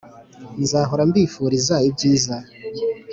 nzahora mbifuriza ibyiza